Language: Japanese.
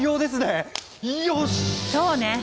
そうね。